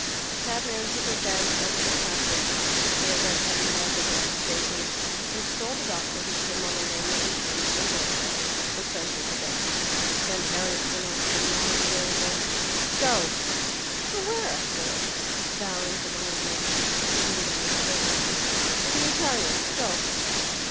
The cabman put their bags down in the passage they had left heavy luggage at the station and strolled about till he came on the landlady's room and woke her, and sent her to them. Then Harriet pronounced the monosyllable "Go!" "Go where?" asked Philip, bowing to the landlady, who was swimming down the stairs. "To the Italian. Go."